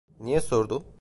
Niye sordun?